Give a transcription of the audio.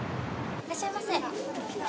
いらっしゃいませ。